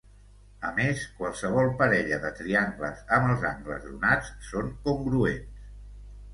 A més, qualsevol parella de triangles amb els angles donats són congruents.